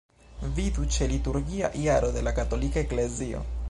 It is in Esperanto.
Vidu ĉe Liturgia jaro de la Katolika Eklezio.